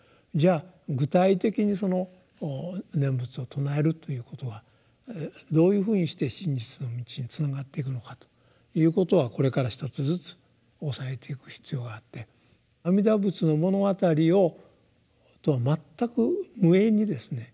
あ具体的に「念仏を称える」ということはどういうふうにして真実の道につながっていくのかということはこれから一つずつ押さえていく必要があって「阿弥陀仏の物語」をとは全く無縁にですね